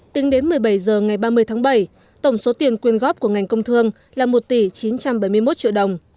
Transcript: tính đến một mươi bảy h ngày ba mươi tháng bảy tổng số tiền quyên góp của ngành công thương là một tỷ chín trăm bảy mươi một triệu đồng